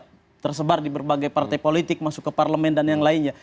senior senior kami juga tersebar di berbagai partai politik masuk ke parlemen dan yang lainnya